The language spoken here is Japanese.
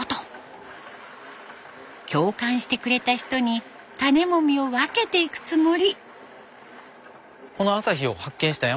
共感してくれた人に種もみを分けていくつもり。